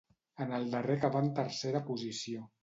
En el darrer acabà en tercera posició.